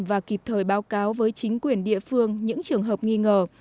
và kịp thời báo cáo với chính quyền địa phương những trường hợp nghi ngờ